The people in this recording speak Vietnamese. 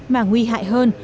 mà nguy hại hơn